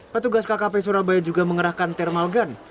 petugas kkp surabaya juga mengerahkan thermal gun